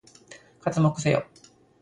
刮目せよ！